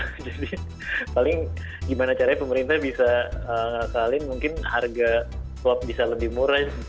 jadi paling gimana caranya pemerintah bisa ngakalin mungkin harga swab bisa lebih murah